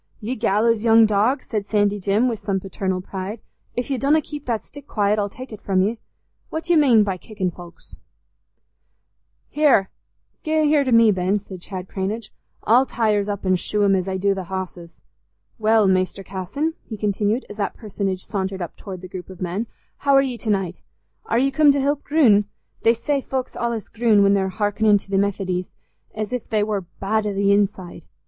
"Ye gallows young dog," said Sandy Jim, with some paternal pride, "if ye donna keep that stick quiet, I'll tek it from ye. What dy'e mane by kickin' foulks?" "Here! Gie him here to me, Jim," said Chad Cranage; "I'll tie hirs up an' shoe him as I do th' hosses. Well, Mester Casson," he continued, as that personage sauntered up towards the group of men, "how are ye t' naight? Are ye coom t' help groon? They say folks allays groon when they're hearkenin' to th' Methodys, as if they war bad i' th' inside.